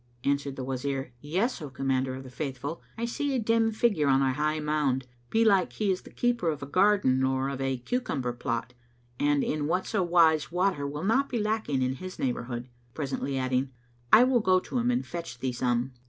Answered the Wazir, "Yes, O Commander of the Faithful; I see a dim figure on a high mound; belike he is the keeper of a garden or of a cucumber plot, and in whatso wise water will not be lacking in his neighborhood;" presently adding, "I will go to him and fetch thee some."